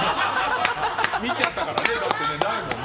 見ちゃったからね。